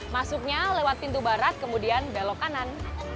masuknya lewat pintu barat kemudian belok kanan